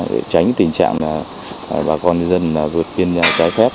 để tránh tình trạng bà con dân vượt biên trái phép